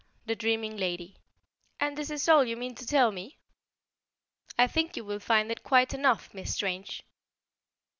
THE DREAMING LADY "And this is all you mean to tell me?" "I think you will find it quite enough, Miss Strange."